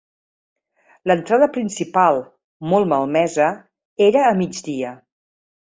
L'entrada principal, molt malmesa, era a migdia.